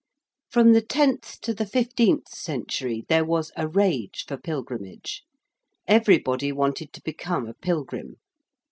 From the tenth to the fifteenth century there was a rage for pilgrimage. Everybody wanted to become a pilgrim.